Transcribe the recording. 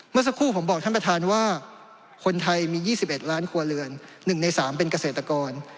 เมื่อสักครู่ผมบอกท่านประธานว่าคนไทยมี๒๑ล้านครัวเรือน๑ใน๓เป็นเกษตรกร